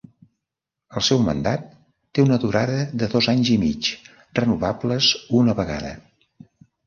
El seu mandat té una durada de dos anys i mig renovables una vegada.